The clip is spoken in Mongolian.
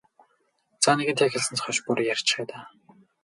За нэгэнтээ эхэлснээс хойш бүр ярьчихъя даа.